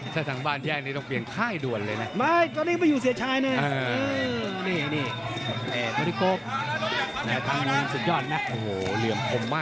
ถ้าทางบ้านแย่งนี่ต้องเปลี่ยนค่ายด่วนเลยนะ